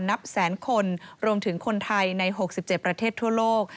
นับแสนคนรวมถึงคนไทยใน๖๗ประเทศทั่วโลก